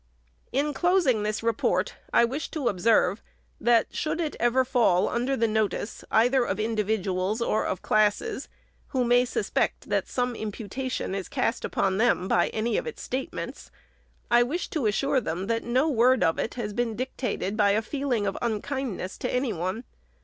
In closing this report, I wish to observe, that, should it ever fall under the notice, either of individuals or of classes, who may suspect that some imputation is cast upon them by any of its statements, I wish to assure them, vat no word of it has been dictated by a feeling of un viidness to any one.